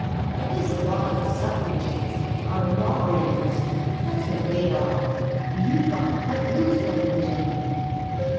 But this lot of Suffrigitts are law breakers, that's wot they are, an' you've got to cut loose from them, Jenny."